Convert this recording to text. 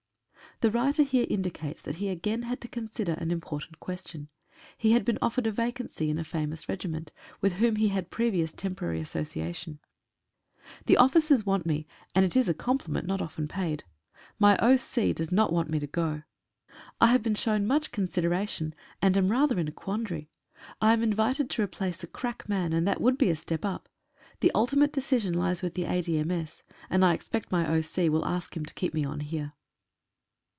The writer here indicates that he again had to con sider an important question. He had been offered a vacancy in a famous regiment, with whom he had pre vious temporary association. "The officers want me, and it is a compliment not often paid. My O.C. does not 149 PREPARATIONS FOR A JOURNEY. want me to go. I have been shown much consideration, and am rather in a quandary. I am invited to replace a crack man, and it would be a step up. The ultimate decision lies with the A.D.M.S., and I expect my O.C. will ask him to keep me on here."